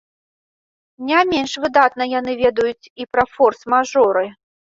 Не менш выдатна яны ведаюць і пра форс-мажоры.